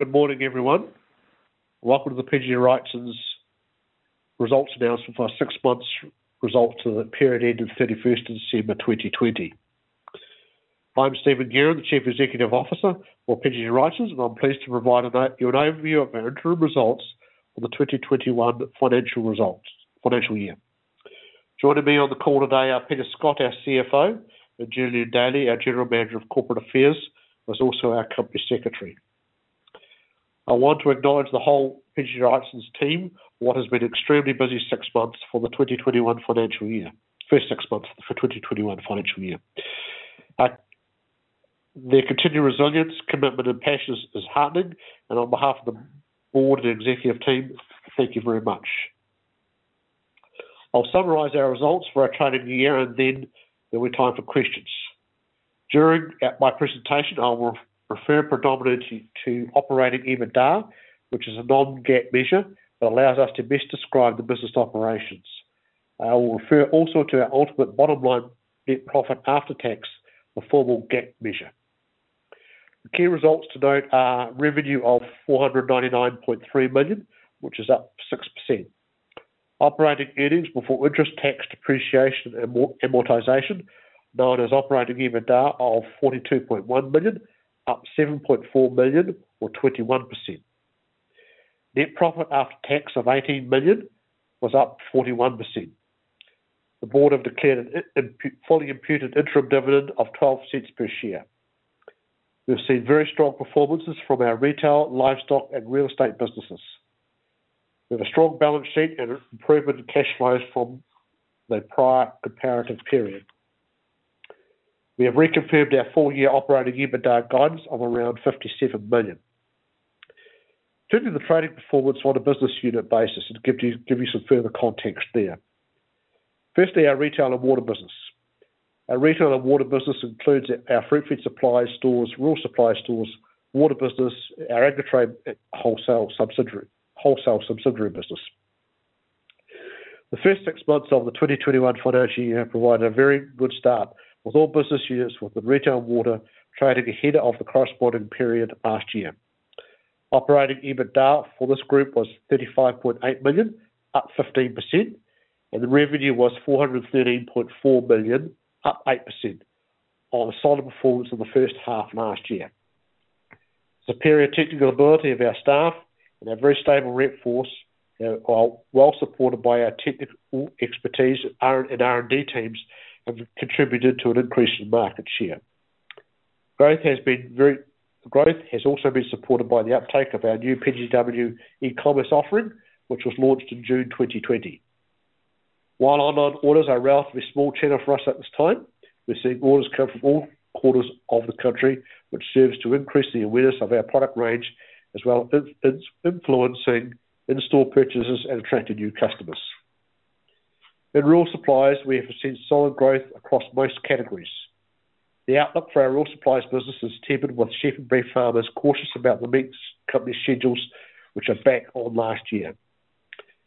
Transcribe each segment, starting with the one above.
Good morning, everyone. Welcome to the PGG Wrightson's results announcement for our six months results for the period ending 31st of December 2020. I'm Stephen Guerin, the Chief Executive Officer for PGG Wrightson, I'm pleased to provide you an overview of our interim results for the 2021 financial year. Joining me on the call today are Peter Scott, our CFO, Julian Daly, our General Manager of Corporate Affairs, who is also our company secretary. I want to acknowledge the whole PGG Wrightson team, what has been an extremely busy first six months for the 2021 financial year. Their continued resilience, commitment, and passion is heartening. On behalf of the board and executive team, thank you very much. I'll summarize our results for our trading year, there will be time for questions. During my presentation, I will refer predominantly to operating EBITDA, which is a non-GAAP measure that allows us to best describe the business operations. I will refer also to our ultimate bottom line net profit after tax, the formal GAAP measure. The key results to note are revenue of 499.3 million, which is up 6%. Operating earnings before interest, tax, depreciation, and amortization, known as operating EBITDA of 42.1 million, up 7.4 million or 21%. Net profit after tax of 18 million was up 41%. The board have declared a fully imputed interim dividend of 0.12 per share. We've seen very strong performances from our retail, livestock, and real estate businesses. We have a strong balance sheet and improvement in cash flows from the prior comparative period. We have reconfirmed our full-year operating EBITDA guidance of around 57 million. Turning to the trading performance on a business unit basis and give you some further context there. Firstly, our retail and water business. Our retail and water business includes our Fruitfed Supplies stores, Rural Supplies stores, water business, our Agritrade wholesale subsidiary business. The first six months of the 2021 financial year provided a very good start, with all business units with the retail and water trading ahead of the corresponding period last year. Operating EBITDA for this group was 35.8 million, up 15%, and the revenue was 413.4 million, up 8% on the solid performance of the first half last year. Superior technical ability of our staff and our very stable workforce, while supported by our technical expertise and R&D teams, have contributed to an increase in market share. Growth has also been supported by the uptake of our new PGW e-commerce offering, which was launched in June 2020. While online orders are relatively small channel for us at this time, we're seeing orders come from all corners of the country, which serves to increase the awareness of our product range as well influencing in-store purchases and attracting new customers. In Rural Supplies, we have seen solid growth across most categories. The outlook for our Rural Supplies business is tempered with sheep and beef farmers cautious about the mixed company schedules which are back on last year.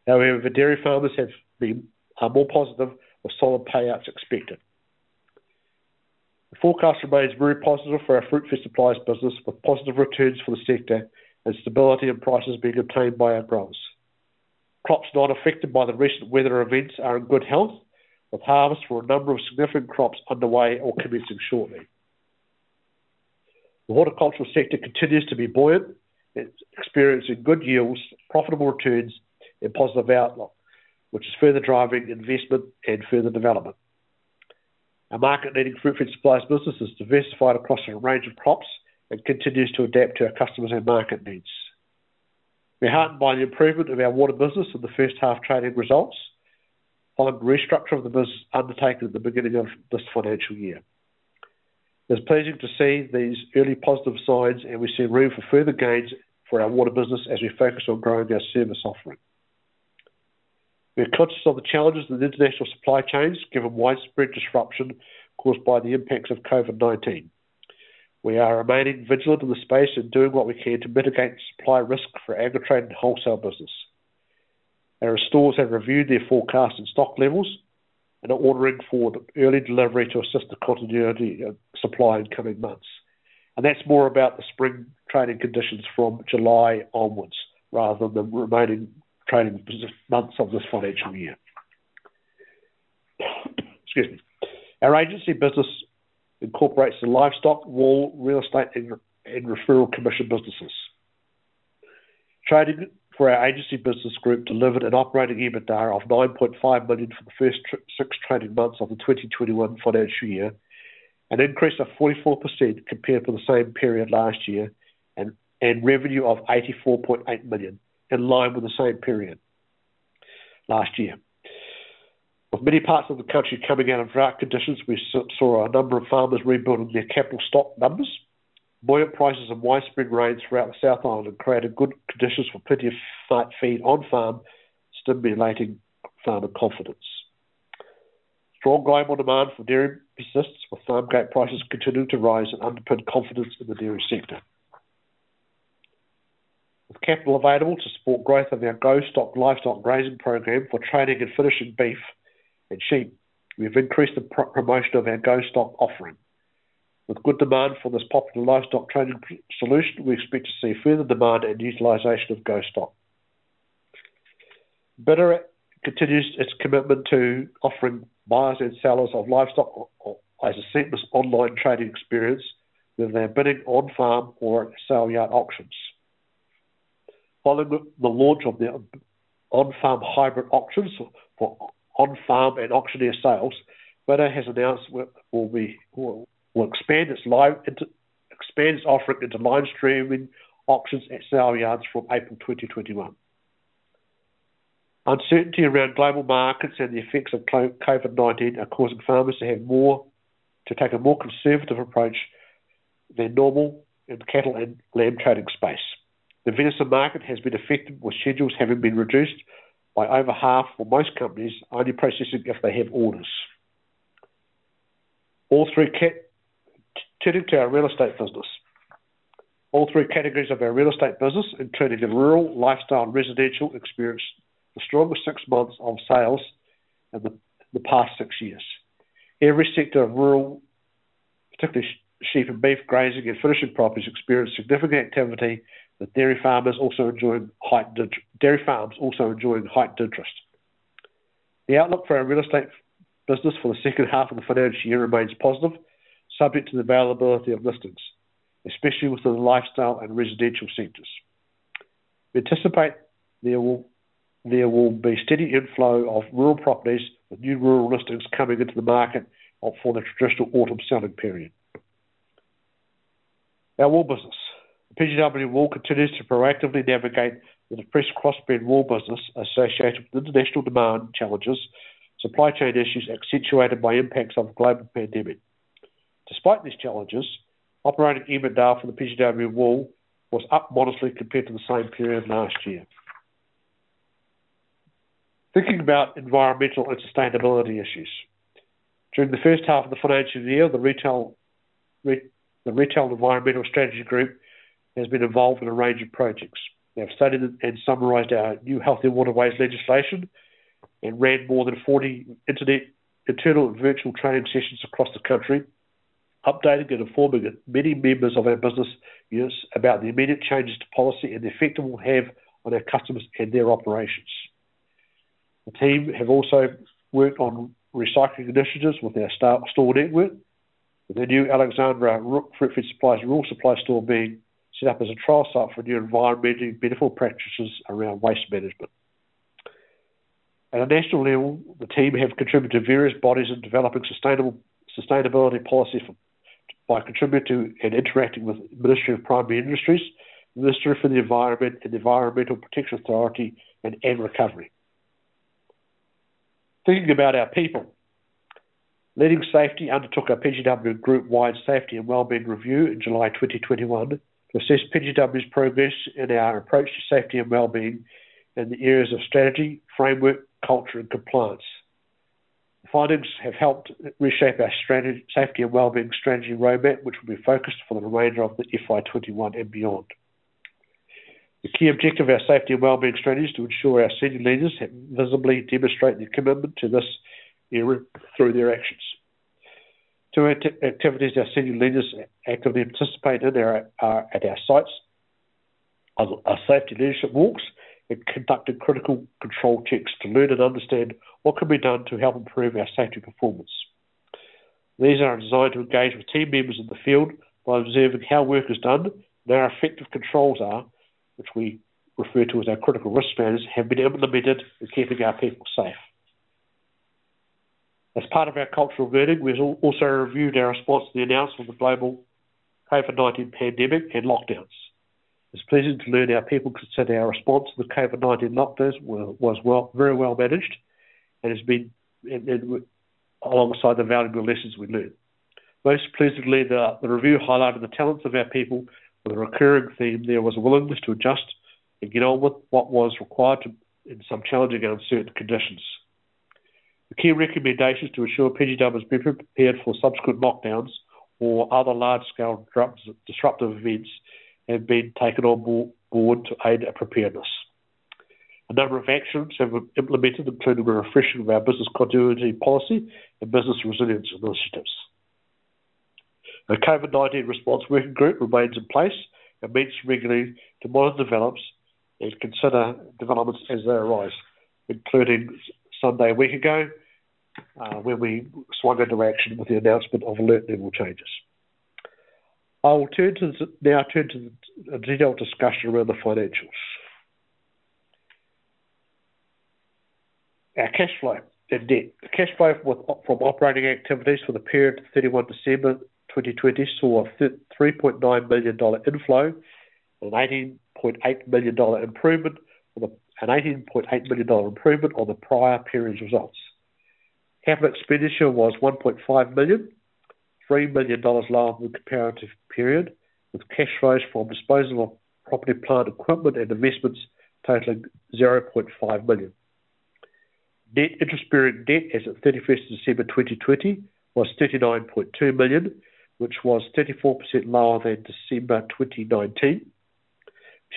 The dairy farmers are more positive, with solid payouts expected. The forecast remains very positive for our Fruitfed Supplies business, with positive returns for the sector and stability in prices being obtained by our growers. Crops not affected by the recent weather events are in good health, with harvest for a number of significant crops underway or commencing shortly. The horticultural sector continues to be buoyant. It's experiencing good yields, profitable returns, and positive outlook, which is further driving investment and further development. Our market-leading Fruitfed Supplies business is diversified across a range of crops and continues to adapt to our customers and market needs. We're heartened by the improvement of our water business in the first half trading results, following restructure of the business undertaken at the beginning of this financial year. It's pleasing to see these early positive signs, and we see room for further gains for our water business as we focus on growing our service offering. We are conscious of the challenges in the international supply chains, given widespread disruption caused by the impacts of COVID-19. We are remaining vigilant in the space and doing what we can to mitigate supply risk for Agritrade and wholesale business. Our stores have reviewed their forecast and stock levels and are ordering for the early delivery to assist the continuity of supply in coming months. That's more about the spring trading conditions from July onwards rather than the remaining trading months of this financial year. Excuse me. Our agency business incorporates the livestock, wool, real estate, and referral commission businesses. Trading for our agency business group delivered an operating EBITDA of 9.5 million for the first six trading months of the 2021 financial year, an increase of 44% compared to the same period last year, and revenue of 84.8 million, in line with the same period last year. With many parts of the country coming out of drought conditions, we saw a number of farmers rebuilding their capital stock numbers. Buoyant prices and widespread rains throughout the South Island have created good conditions for plenty of site feed on farm, stimulating farmer confidence. Strong global demand for dairy persists, with farm gate prices continuing to rise and underpin confidence in the dairy sector. With capital available to support growth of our GO-STOCK livestock grazing program for trading and finishing beef and sheep, we've increased the promotion of our GO-STOCK offering. With good demand for this popular livestock trading solution, we expect to see further demand and utilization of GO-STOCK. bidr continues its commitment to offering buyers and sellers of livestock, as a seamless online trading experience, whether they're bidding on-farm or at saleyard auctions. Following the launch of their on-farm hybrid auctions for on-farm and auctioneer sales, bidr has announced it will expand its offering into live streaming auctions at saleyards from April 2021. Uncertainty around global markets and the effects of COVID-19 are causing farmers to take a more conservative approach than normal in the cattle and lamb trading space. The venison market has been affected, with schedules having been reduced by over half for most companies, only processing if they have orders. Turning to our real estate business. All three categories of our real estate business, including the rural, lifestyle, and residential, experienced the strongest six months of sales in the past six years. Every sector of rural, particularly sheep and beef, grazing, and finishing properties, experienced significant activity, with dairy farms also enjoying heightened interest. The outlook for our real estate business for the second half of the financial year remains positive, subject to the availability of listings, especially within the lifestyle and residential sectors. We anticipate there will be steady inflow of rural properties with new rural listings coming into the market for the traditional autumn selling period. Our wool business, PGW Wool, continues to proactively navigate the depressed crossbred wool business associated with international demand challenges, supply chain issues accentuated by impacts of the global pandemic. Despite these challenges, operating EBITDA for the PGW Wool was up modestly compared to the same period last year. Thinking about environmental and sustainability issues, during the first half of the financial year, the Retail Environmental Strategy Group has been involved in a range of projects. They've studied and summarized our new Healthy Waterways legislation and ran more than 40 internal virtual training sessions across the country, updating and informing many members of our business about the immediate changes to policy and the effect it will have on our customers and their operations. The team have also worked on recycling initiatives with our store network, with the new Alexandra Fruitfed and Rural Supplies store being set up as a trial site for new environmentally beneficial practices around waste management. At a national level, the team have contributed to various bodies in developing sustainability policy by contributing to and interacting with the Ministry for Primary Industries, the Ministry for the Environment and Environmental Protection Authority and Agrecovery. Thinking about our people. Leading Safety undertook a PGW Group-wide safety and wellbeing review in July 2021 to assess PGW's progress in our approach to safety and wellbeing in the areas of strategy, framework, culture, and compliance. The findings have helped reshape our safety and wellbeing strategy roadmap, which will be focused for the remainder of the FY21 and beyond. The key objective of our safety and wellbeing strategy is to ensure our senior leaders have visibly demonstrated their commitment to this area through their actions. Through activities, our senior leaders actively participate at our sites, our safety leadership walks, and conduct critical control checks to learn and understand what can be done to help improve our safety performance. These are designed to engage with team members in the field by observing how work is done and how effective controls are, which we refer to as our critical risk matters, have been implemented in keeping our people safe. As part of our cultural learning, we've also reviewed our response to the announcement of the global COVID-19 pandemic and lockdowns. It's pleasing to learn our people consider our response to the COVID-19 lockdowns was very well managed, alongside the valuable lessons we learned. Most pleasingly, the review highlighted the talents of our people with a recurring theme. There was a willingness to adjust and get on with what was required in some challenging and uncertain conditions. The key recommendations to ensure PGW was better prepared for subsequent lockdowns or other large-scale disruptive events have been taken on board to aid our preparedness. A number of actions have been implemented, including the refreshing of our business continuity policy and business resilience initiatives. The COVID-19 response working group remains in place and meets regularly to monitor developments and consider developments as they arise, including Sunday a week ago, when we swung into action with the announcement of alert level changes. I will now turn to a detailed discussion around the financials. Our cash flow and debt. Cash flow from operating activities for the period of 31 December 2020 saw a NZD 3.9 million inflow and a NZD 18.8 million improvement on the prior period's results. Capital expenditure was 1.5 million, NZD 3 million lower than the comparative period, with cash flows from disposal of property, plant equipment and investments totaling 0.5 million. Net interest-bearing debt as at 31st December 2020 was 39.2 million, which was 34% lower than December 2019.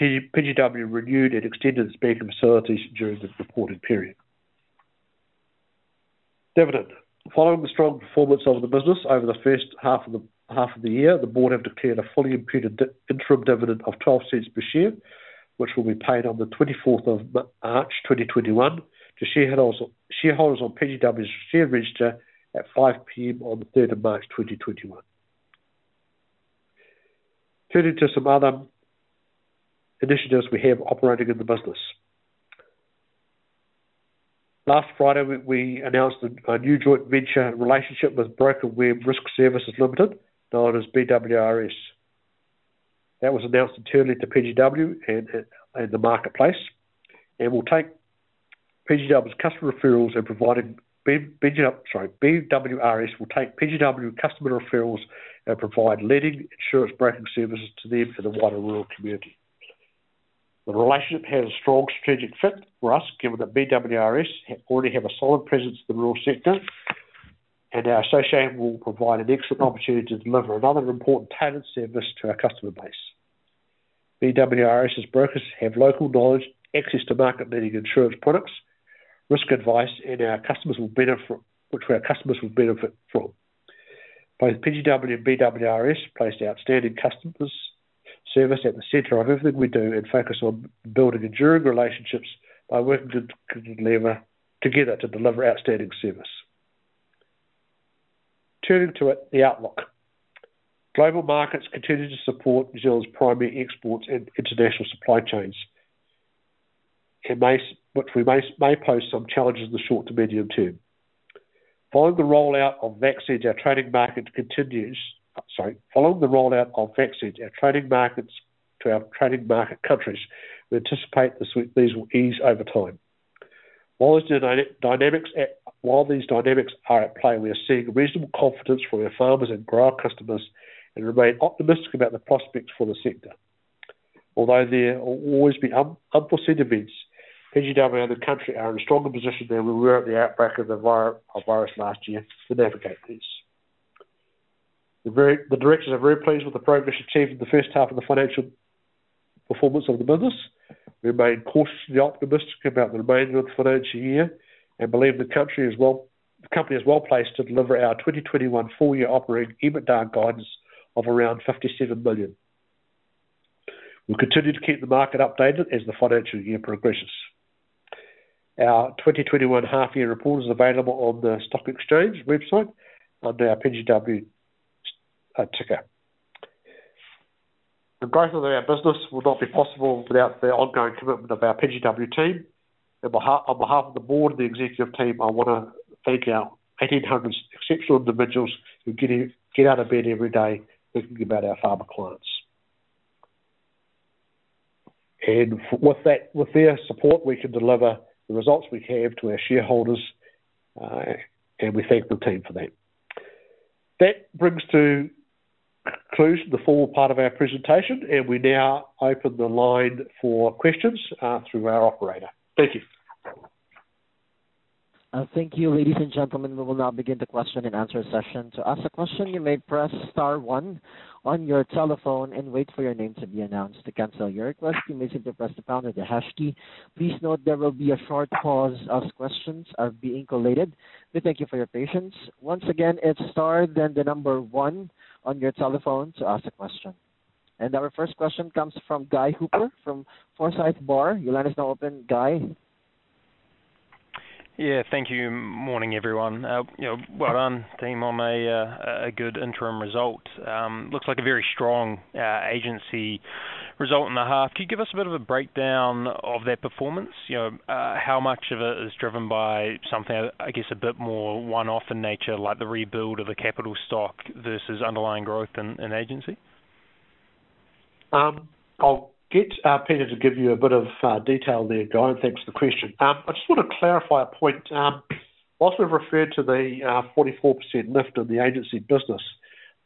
PGW renewed and extended its banking facilities during this reporting period. Dividend. Following the strong performance of the business over the first half of the year, the board have declared a fully imputed interim dividend of 0.12 per share, which will be paid on the 24th of March 2021 to shareholders on PGW's share register at 5:00 P.M. on the 3rd of March 2021. Turning to some other initiatives we have operating in the business. Last Friday, we announced a new joint venture relationship with BrokerWeb Risk Services Limited, known as BWRS. That was announced internally to PGW and the marketplace, and will take, BWRS will take PGW customer referrals and provide leading insurance broking services to them for the wider rural community. The relationship has a strong strategic fit for us, given that BWRS already have a solid presence in the rural sector, and our association will provide an excellent opportunity to deliver another important tailored service to our customer base. BWRS's brokers have local knowledge, access to market-leading insurance products, risk advice, which our customers will benefit from. Both PGW and BWRS place outstanding customer service at the center of everything we do and focus on building enduring relationships by working together to deliver outstanding service. Turning to the outlook. Global markets continue to support New Zealand's primary exports and international supply chains, which may pose some challenges in the short to medium term. Following the rollout of vaccines to our trading market countries, we anticipate these will ease over time. While these dynamics are at play, we are seeing reasonable confidence from our farmers and grower customers and remain optimistic about the prospects for the sector. Although there will always be unforeseen events, PGW and the country are in a stronger position than we were at the outbreak of the virus last year to navigate this. The directors are very pleased with the progress achieved in the first half of the financial performance of the business. We remain cautiously optimistic about the remainder of the financial year and believe the company is well-placed to deliver our 2021 full-year operating EBITDA guidance of around 57 million. We'll continue to keep the market updated as the financial year progresses. Our 2021 half-year report is available on the stock exchange website under our PGW ticker. The growth of our business would not be possible without the ongoing commitment of our PGW team. On behalf of the board and the executive team, I want to thank our 1,800 exceptional individuals who get out of bed every day thinking about our farmer clients. With their support, we can deliver the results we have to our shareholders, and we thank the team for that. That brings to a close the full part of our presentation, and we now open the line for questions through our operator. Thank you. Thank you, ladies and gentlemen. We will now begin the question and answer session. To ask a question, you may press star one on your telephone and wait for your name to be announced. To cancel your request, you may simply press the pound or the hash key. Please note there will be a short pause as questions are being collated. We thank you for your patience. Once again, it's star then the number one on your telephone to ask a question. Our first question comes from Guy Hooper from Forsyth Barr. Your line is now open, Guy. Yeah, thank you. Morning, everyone. Well done, team, on a good interim result. Looks like a very strong agency result in the half. Can you give us a bit of a breakdown of that performance? How much of it is driven by something, I guess, a bit more one-off in nature, like the rebuild of a capital stock versus underlying growth in agency? I'll get Peter to give you a bit of detail there, Guy. Thanks for the question. I just want to clarify a point. While I referred to the 44% lift in the agency business,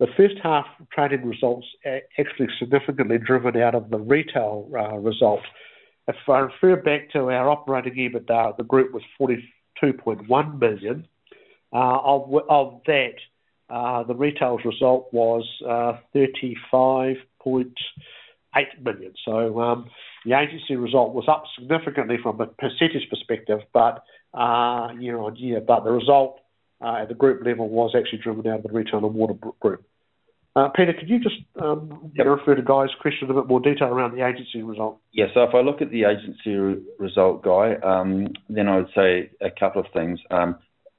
the first half trading results are actually significantly driven out of the retail result. I refer back to our operating EBITDA, the group was 42.1 million. Of that, the retail's result was 35.8 million. The agency result was up significantly from a percentage perspective, year-over-year, but the result at the group level was actually driven out of the retail and water group. Peter, could you just refer to Guy's question in a bit more detail around the agency result? If I look at the agency result, Guy, I would say a couple of things.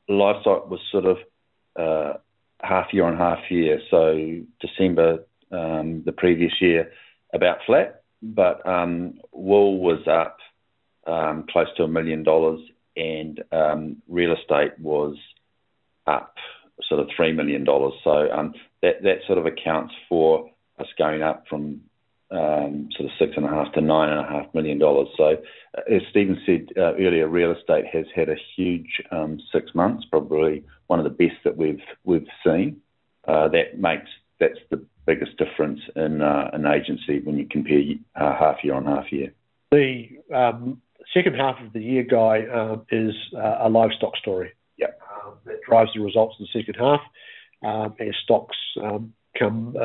Livestock was sort of half-year on half-year, so December the previous year, about flat. Wool was up close to 1 million dollars, and real estate was up 3 million dollars. That accounts for us going up from 6.5 million-9.5 million dollars. As Stephen said earlier, real estate has had a huge six months, probably one of the best that we've seen. That's the biggest difference in agency when you compare half-year on half-year. The second half of the year, Guy, is a livestock story. Yep. That drives the results in the second half, as stocks come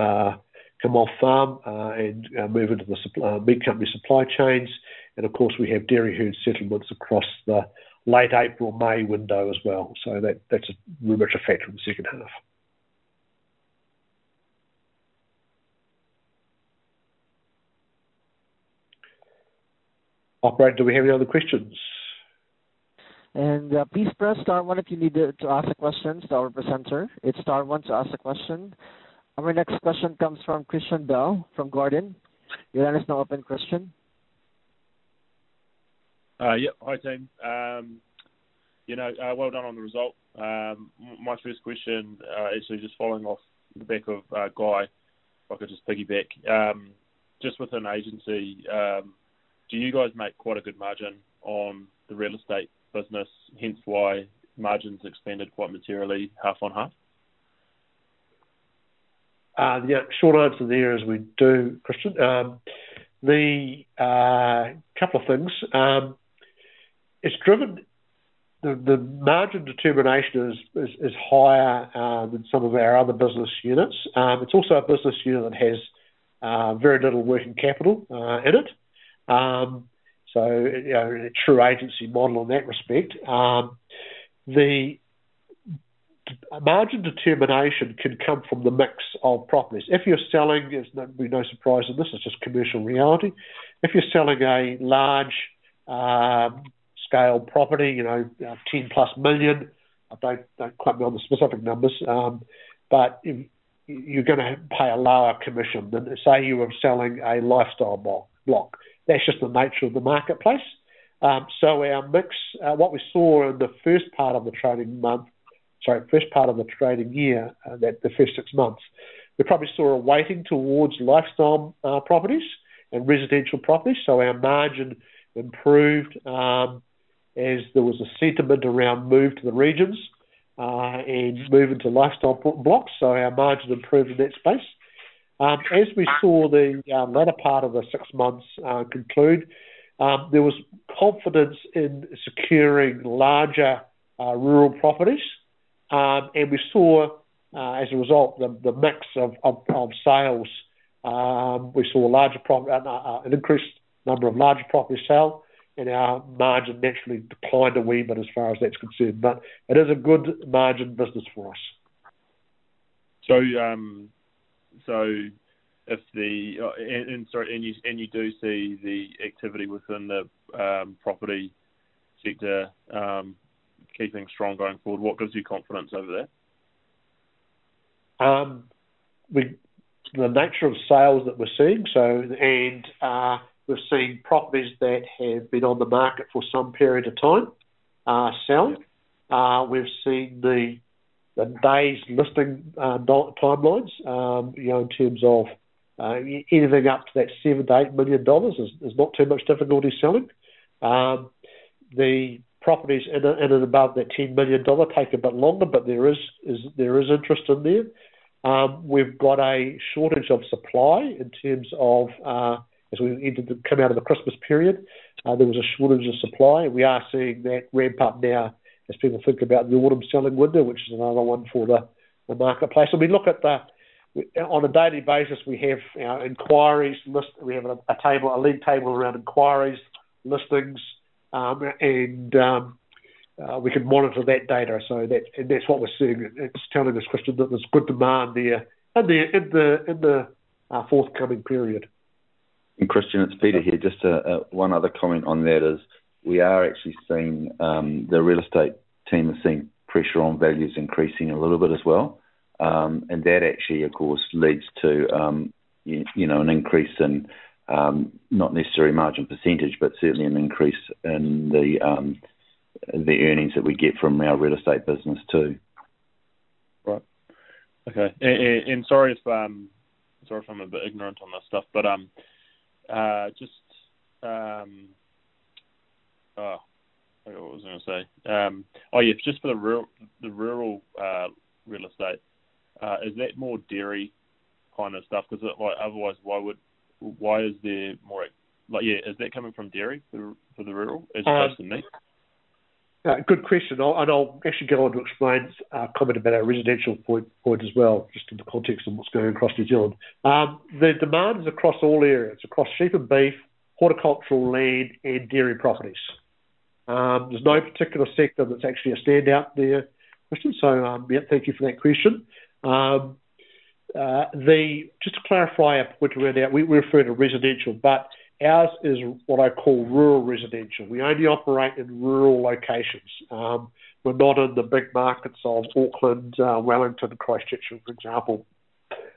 off farm and move into the meat company supply chains. Of course, we have dairy herd settlements across the late April, May window as well. That's a numerous effect in the second half. Operator, do we have any other questions? Please press star one if you need to ask a question to our presenter. Hit star one to ask a question. Our next question comes from Christian Bell from Jarden. Your line is now open, Christian. Yep. Hi, team. Well done on the result. My first question is just following off the back of Guy, if I could just piggyback. Just within agency, do you guys make quite a good margin on the real estate business, hence why margin's expanded quite materially half on half? Yeah. Short answer there is we do, Christian. Couple of things. The margin determination is higher than some of our other business units. It's also a business unit that has very little working capital in it, so a true agency model in that respect. The margin determination can come from the mix of properties. There's going to be no surprise in this, it's just commercial reality. If you're selling a large-scale property, 10+ million, don't quote me on the specific numbers, but you're going to pay a lower commission than, say, you were selling a lifestyle block. That's just the nature of the marketplace. Our mix, what we saw in the first part of the trading year, the first six months, we probably saw a weighting towards lifestyle properties and residential properties. Our margin improved as there was a sentiment around move to the regions, and move into lifestyle blocks. Our margin improved in that space. As we saw the latter part of the six months conclude, there was confidence in securing larger rural properties. We saw, as a result, the mix of sales. We saw an increased number of larger property sale and our margin naturally declined a wee bit as far as that's concerned. It is a good margin business for us. You do see the activity within the property sector keeping strong going forward. What gives you confidence over that? The nature of sales that we're seeing, and we're seeing properties that have been on the market for some period of time selling. We've seen the days listing timelines, in terms of anything up to that 7 million-8 million dollars, there's not too much difficulty selling. The properties in and above that 10 million dollar take a bit longer, but there is interest in there. We've got a shortage of supply as we come out of the Christmas period. There was a shortage of supply, and we are seeing that ramp up now as people think about the autumn selling window, which is another one for the marketplace. On a daily basis, we have our inquiries list. We have a league table around inquiries, listings, and we can monitor that data. That's what we're seeing. It's telling us, Christian, that there's good demand there in the forthcoming period. Christian, it's Peter here. Just one other comment on that is the real estate team are seeing pressure on values increasing a little bit as well. That actually, of course, leads to an increase in, not necessarily margin percentage, but certainly an increase in the earnings that we get from our real estate business too. Right. Okay. Sorry if I'm a bit ignorant on this stuff, but just forgot what I was going to say. Yeah, just for the rural real estate, is that more dairy kind of stuff? Because otherwise, is that coming from dairy for the rural, as opposed to meat? Good question. I'll actually go on to explain a comment about our residential point as well, just in the context of what's going across New Zealand. The demand is across all areas. Across sheep and beef, horticultural land, and dairy properties. There's no particular sector that's actually a standout there, Christian. Thank you for that question. Just to clarify, which I read out, we refer to residential. Ours is what I call rural residential. We only operate in rural locations. We're not in the big markets of Auckland, Wellington, Christchurch, for example.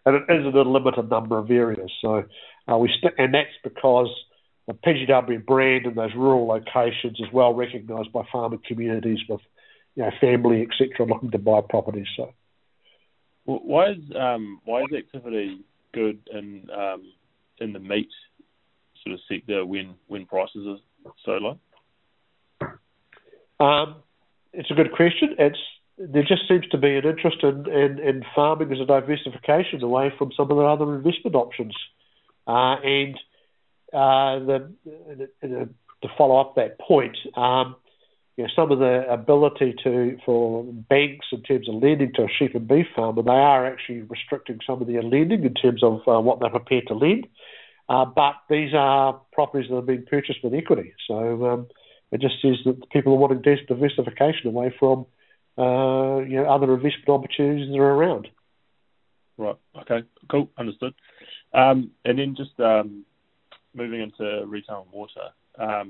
It is in a limited number of areas. That's because the PGW brand in those rural locations is well-recognized by farming communities with family, et cetera, looking to buy properties. Why is activity good in the meat sector when prices are so low? It's a good question. There just seems to be an interest in farming as a diversification away from some of the other investment options. To follow up that point, some of the ability for banks in terms of lending to a sheep and beef farmer, they are actually restricting some of their lending in terms of what they're prepared to lend. These are properties that have been purchased with equity. It just is that people want a diversification away from other investment opportunities that are around. Right. Okay, cool. Understood. Just moving into retail and water.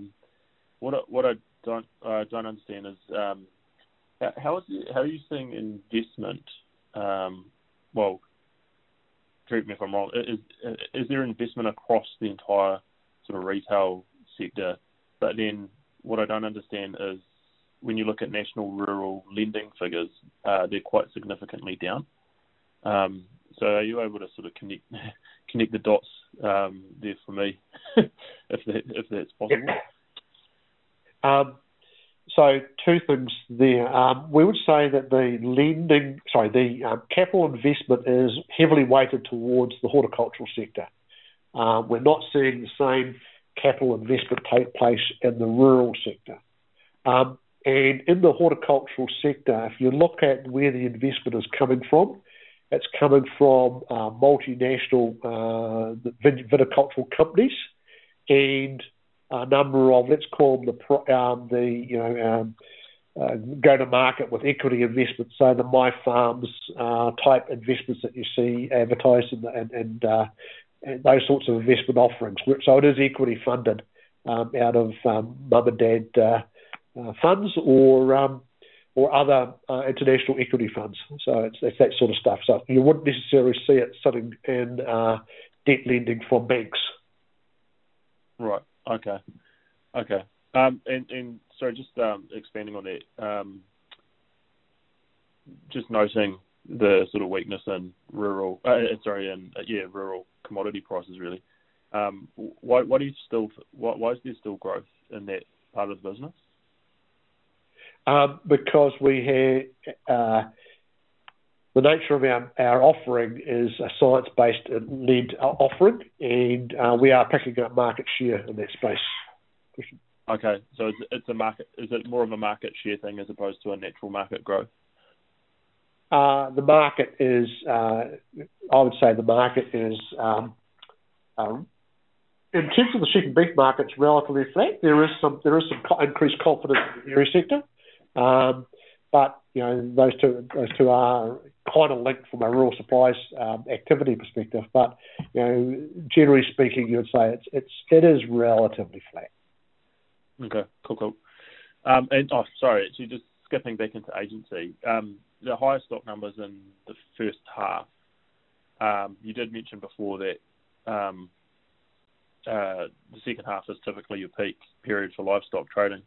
What I don't understand is, how are you seeing investment Well, correct me if I'm wrong. Is there investment across the entire retail sector? What I don't understand is when you look at national rural lending figures, they're quite significantly down. Are you able to sort of connect the dots there for me? If that's possible. Two things there. We would say that the lending, sorry, the capital investment is heavily weighted towards the horticultural sector. We're not seeing the same capital investment take place in the rural sector. And in the horticultural sector, if you look at where the investment is coming from, it's coming from multinational viticultural companies and a number of, let's call them, go to market with equity investments. The MyFarm's-type investments that you see advertised and those sorts of investment offerings. It is equity funded out of mum and dad funds or other international equity funds. It's that sort of stuff. You wouldn't necessarily see it sitting in debt lending from banks. Right. Okay. Okay. So, just expanding on that. Just noting the sort of weakness in rural, sorry, in rural commodity prices really. Why is there still growth in that part of the business? Because the nature of our offering is a science-based lead offering, and we are picking up market share in that space, Christian. Okay. Is it more of a market share thing as opposed to a natural market growth? I would say the market is, in terms of the sheep and beef markets, relatively flat. There is some increased confidence in the dairy sector. Those two are kind of linked from a rural supplies activity perspective. Generally speaking, you would say it is relatively flat. Okay, cool. Oh, sorry, actually just skipping back into agency. The higher stock numbers in the first half. You did mention before that the second half is typically your peak period for livestock trading.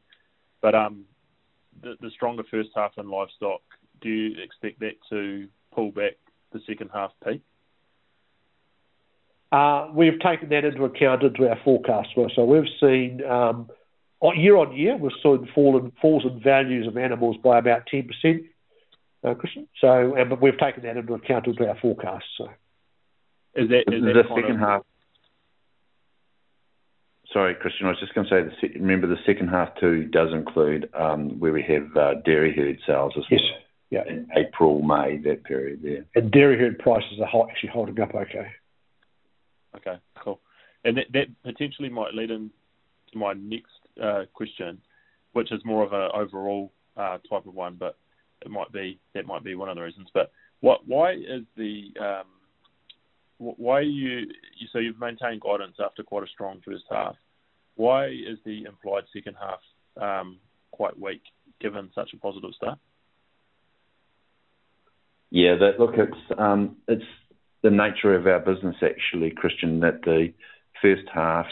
The stronger first half in livestock, do you expect that to pull back the second half peak? We've taken that into account into our forecast. Year-on-year, we've seen falls in values of animals by about 10%, Christian. We've taken that into account into our forecast. Is that second half? Sorry, Christian, I was just going to say, remember the second half too does include where we have dairy herd sales as well. Yes. Yeah. In April, May, that period, yeah. Dairy herd prices are actually holding up okay. Okay, cool. That potentially might lead into my next question, which is more of a overall type of one, but that might be one of the reasons. You've maintained guidance after quite a strong first half. Why is the implied second half quite weak given such a positive start? Yeah. Look, it's the nature of our business actually, Christian, that the first half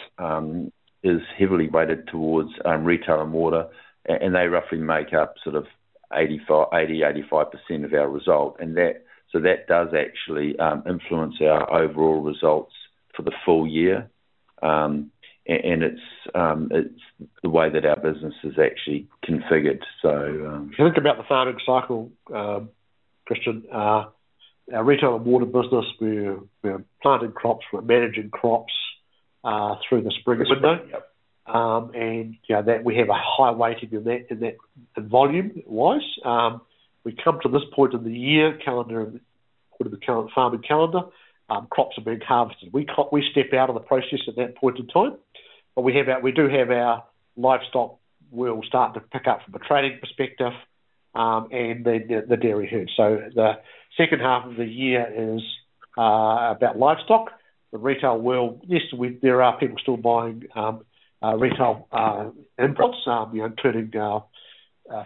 is heavily weighted towards retail and water, and they roughly make up sort of 80%-85% of our result. That does actually influence our overall results for the full year. It's the way that our business is actually configured. If you think about the farming cycle, Christian, our retail and water business, we're planting crops, we're managing crops through the spring window. Yep. We have a high weighting in that volume wise. We come to this point of the year, farming calendar, crops are being harvested. We step out of the process at that point in time. We do have our livestock will start to pick up from a trading perspective, and the dairy herd. The second half of the year is about livestock. The retail world, yes, there are people still buying retail inputs, including,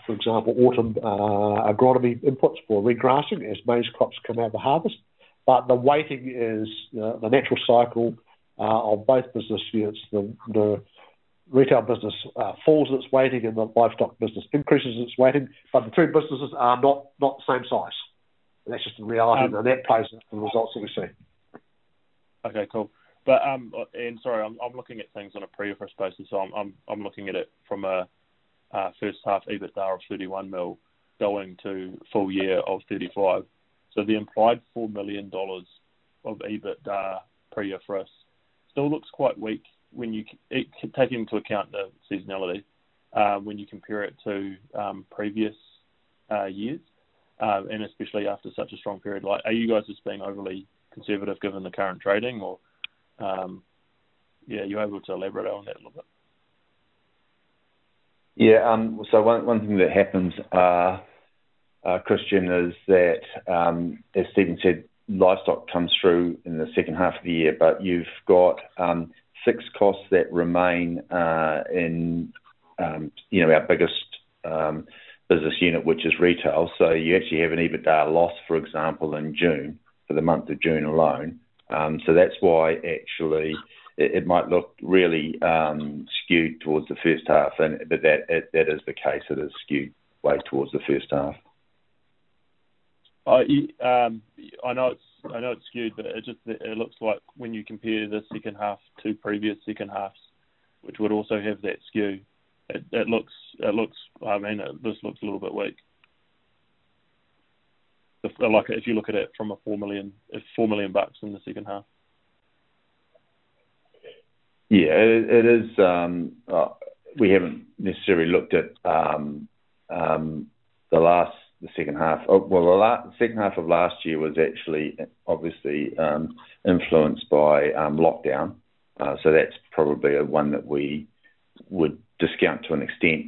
for example, autumn agronomy inputs for re-grassing as maize crops come out of harvest. The weighting is the natural cycle of both business units. The retail business falls its weighting and the livestock business increases its weighting. The two businesses are not the same size. That's just the reality, and that plays into the results that we see. Okay, cool. Sorry, I'm looking at things on a pre-IFRS basis, so I'm looking at it from a first half EBITDA of 31 million, going to full year of 35 million. The implied 4 million dollars of EBITDA per year for us still looks quite weak when you take into account the seasonality, when you compare it to previous years, and especially after such a strong period. Are you guys just being overly conservative given the current trading or are you able to elaborate on that a little bit? Yeah. One thing that happens, Christian, is that as Stephen said, livestock comes through in the second half of the year, but you've got fixed costs that remain in our biggest business unit, which is retail. You actually have an EBITDA loss, for example, in June, for the month of June alone. That's why actually it might look really skewed towards the first half, but that is the case, it is skewed way towards the first half. I know it's skewed, but it looks like when you compare the second half to previous second halves, which would also have that skew, this looks a little bit weak. If you look at it from a 4 million in the second half. Yeah. We haven't necessarily looked at the second half. Well, the second half of last year was actually obviously influenced by lockdown. That's probably one that we would discount to an extent.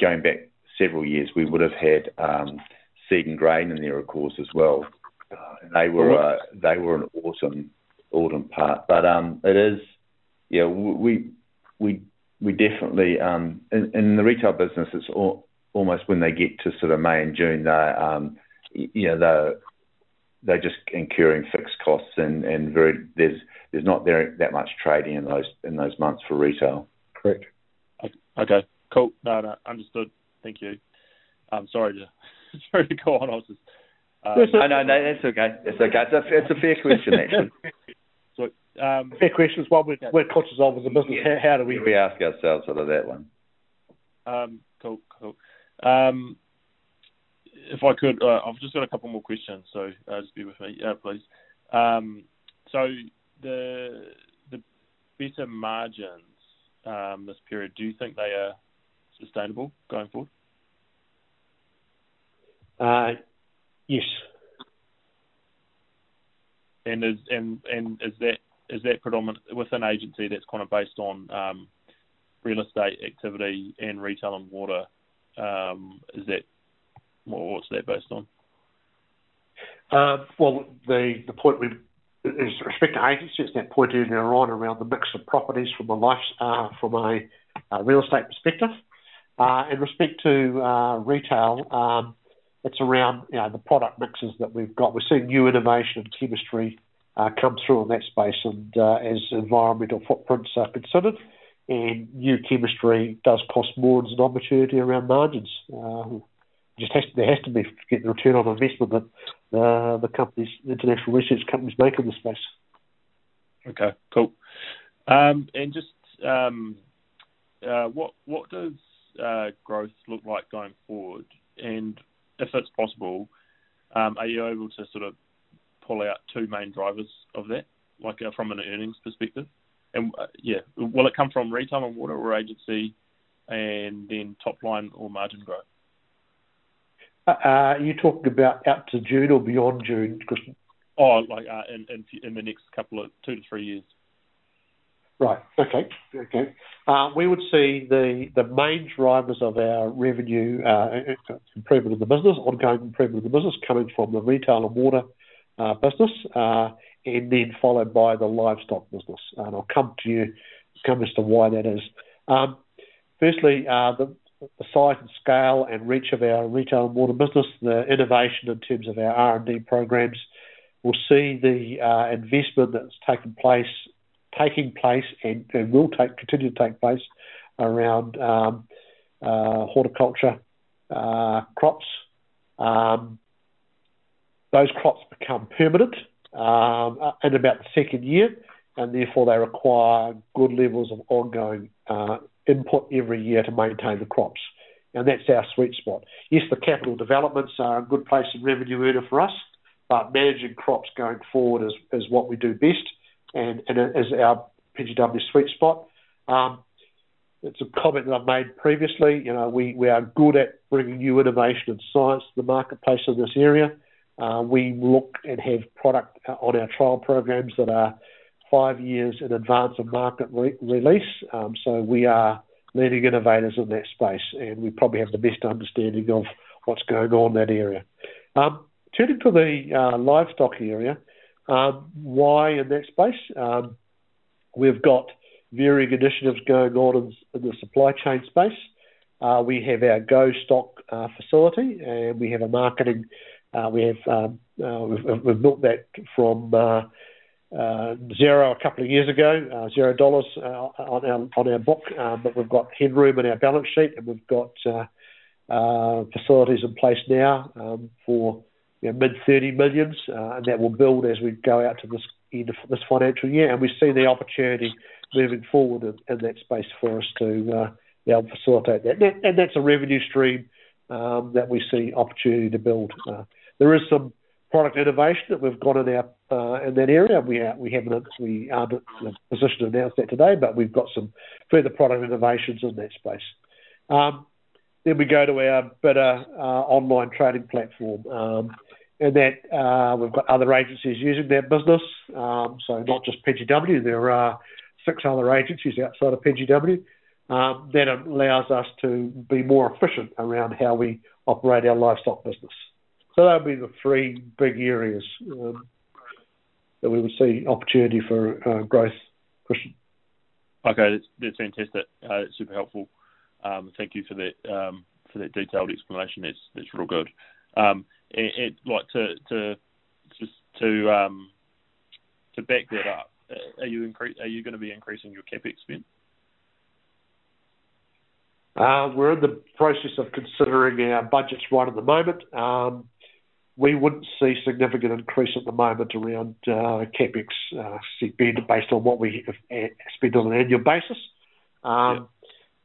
Going back several years, we would have had seed and grain in there, of course, as well. They were an autumn part. In the retail business, it's almost when they get to May and June, they're just incurring fixed costs and there's not that much trading in those months for retail. Correct. Okay, cool. No, understood. Thank you. Sorry to go on. No, that's okay. It's a fair question, actually. Fair question. It's what we're conscious of as a business. We ask ourselves sort of that one. Cool. If I could, I've just got a couple more questions, just bear with me, please. The better margins this period, do you think they are sustainable going forward? Uh.Yes. Is that predominant within agency that's based on real estate activity and retail and water? Is Is that, What's that based on? Well, the point is respect to agency, it's that point earlier on around the mix of properties from a real estate perspective. In respect to retail, it's around the product mixes that we've got. We're seeing new innovation and chemistry come through in that space and as environmental footprints are considered, and new chemistry does cost more. It's an opportunity around margins. There has to be, to get the return on investment that the international research companies make in the space. Okay, cool. What does growth look like going forward? If it's possible, are you able to pull out two main drivers of that, from an earnings perspective? Will it come from retail and water or agency and then top line or margin growth? Are you talking about up to June or beyond June, Christian? In the next couple of two to three years. Right. Okay. Okay. We would see the main drivers of our revenue improvement of the business, ongoing improvement of the business, coming from the retail and water business, and then followed by the livestock business. I'll come to you as to why that is. Firstly, the size and scale and reach of our retail and water business, the innovation in terms of our R&D programs, will see the investment that's taking place and will continue to take place around horticulture crops. Those crops become permanent in about the second year, and therefore they require good levels of ongoing input every year to maintain the crops. That's our sweet spot. Yes, the capital developments are a good place of revenue earner for us, but managing crops going forward is what we do best and is our PGW sweet spot. It's a comment that I've made previously. We are good at bringing new innovation and science to the marketplace in this area. We look and have product on our trial programs that are five years in advance of market release. We are leading innovators in that space, and we probably have the best understanding of what's going on in that area. Turning to the livestock area, why in that space? We've got varying initiatives going on in the supply chain space. We have our GO-STOCK facility, and we've built that from 0 a couple of years ago NZD, 0 on our book. We've got headroom in our balance sheet, and we've got facilities in place now for mid 30 million, and that will build as we go out to this end of this financial year. We see the opportunity moving forward in that space for us to be able to facilitate that. That's a revenue stream that we see opportunity to build. There is some product innovation that we've got in that area. We aren't in a position to announce that today, but we've got some further product innovations in that space. We go to our bidr online trading platform, and we've got other agencies using that business. Not just PGW, there are six other agencies outside of PGW that allows us to be more efficient around how we operate our livestock business. That'll be the three big areas that we would see opportunity for growth, Christian. Okay. That's fantastic. Super helpful. Thank you for that detailed explanation. That's real good. To back that up, are you going to be increasing your CapEx spend? We're in the process of considering our budgets right at the moment. We wouldn't see significant increase at the moment around CapEx spend based on what we spend on an annual basis. Yeah.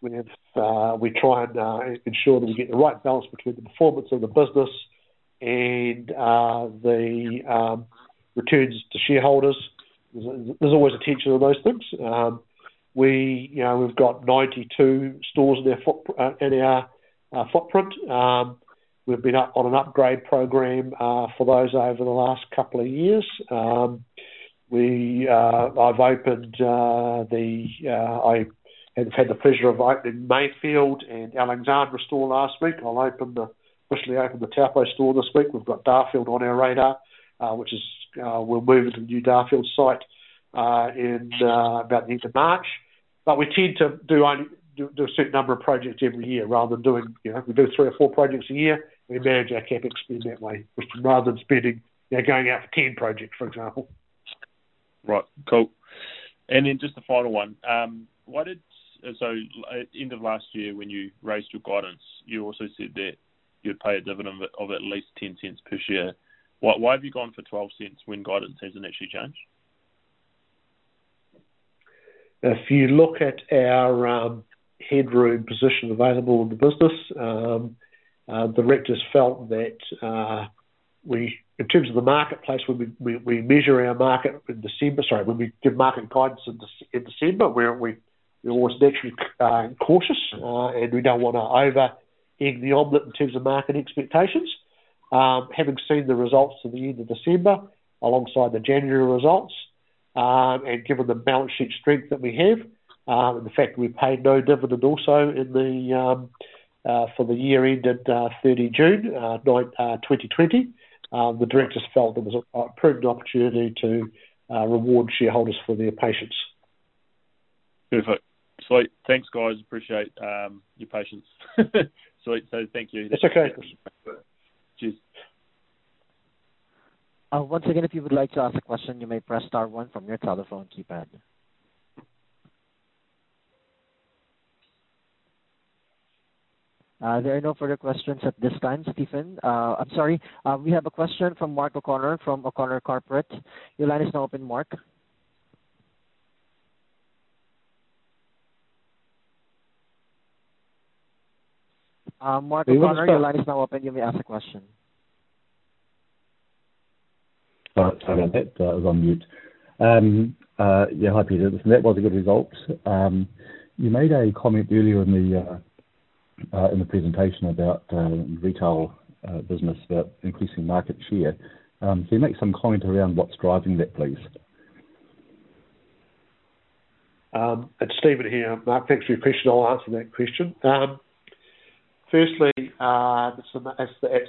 We try and ensure that we get the right balance between the performance of the business and the returns to shareholders. There's always a tension on those things. We've got 92 stores in our footprint. We've been on an upgrade program for those over the last couple of years. I have had the pleasure of opening Mayfield and Alexandra store last week. I'll officially open the Taupō store this week. We've got Darfield on our radar, which is we're moving to the new Darfield site in about the end of March. We tend to do a certain number of projects every year. We do three or four projects a year. We manage our CapEx spend that way rather than going out for 10 projects, for example. Right. Cool. Just the final one. End of last year when you raised your guidance, you also said that you'd pay a dividend of at least 0.10 per share. Why have you gone for 0.12 when guidance hasn't actually changed? If you look at our headroom position available in the business, the directors felt that in terms of the marketplace, when we give market guidance in December, we're always naturally cautious, and we don't want to over egg the omelet in terms of market expectations. Having seen the results at the end of December alongside the January results, and given the balance sheet strength that we have, and the fact that we paid no dividend also for the year ended 30 June 2020, the directors felt it was an approved opportunity to reward shareholders for their patience. Perfect. Sweet. Thanks, guys. Appreciate your patience. Sweet. Thank you. That's okay, Christian. Cheers. Once again, if you would like to ask a question, you may press star one from your telephone keypad. There are no further questions at this time, Stephen. I'm sorry. We have a question from Mark O'Connor from O'Connor Corporate. Your line is now open, Mark. Mark O'Connor, your line is now open. You may ask a question. Sorry about that. I was on mute. Hi, Peter. That was a good result. You made a comment earlier in the presentation about retail business, about increasing market share. Can you make some comment around what's driving that, please? It's Stephen here, Mark. Thanks for your question. I'll answer that question. Firstly, it's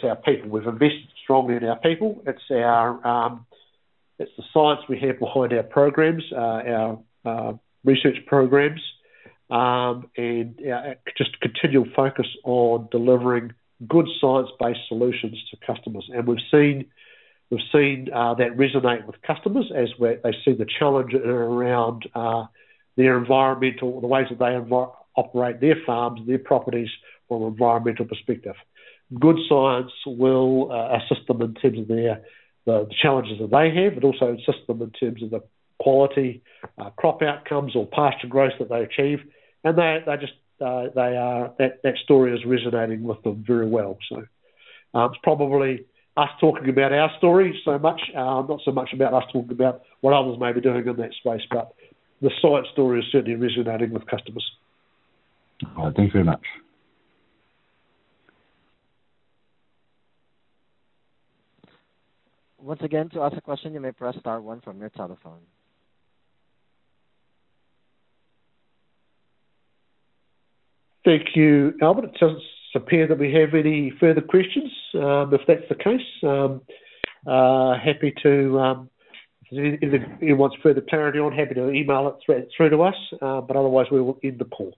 our people. We've invested strongly in our people. It's the science we have behind our programs, our research programs, and just continual focus on delivering good science-based solutions to customers. We've seen that resonate with customers as they see the challenge around their environmental or the ways that they operate their farms and their properties from an environmental perspective. Good science will assist them in terms of the challenges that they have, but also assist them in terms of the quality, crop outcomes, or pasture growth that they achieve. That story is resonating with them very well. It's probably us talking about our story so much, not so much about us talking about what others may be doing in that space, but the science story is certainly resonating with customers. All right. Thank you very much. Once again, to ask a question, you may press star one from your telephone. Thank you, Albert. It doesn't appear that we have any further questions. If that's the case, if anyone wants further clarity, happy to email it through to us. Otherwise, we will end the call.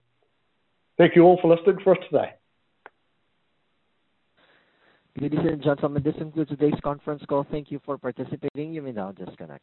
Thank you all for listening for us today. Ladies and gentlemen, this concludes today's conference call. Thank you for participating. You may now disconnect.